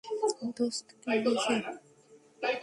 দোস্ত, কি হয়েছে?